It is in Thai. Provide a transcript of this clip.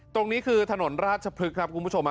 ตรงนี้คือถนนราชพฤกษ์ครับคุณผู้ชม